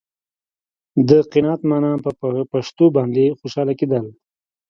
د قناعت معنا په شتو باندې خوشاله کېدل.